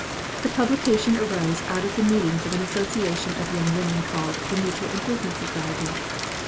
The publication arose out of the meetings of an association of young women called "The Mutual Improvement Society."